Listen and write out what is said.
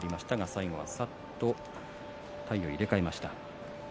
最後はさっと体を入れ替えました。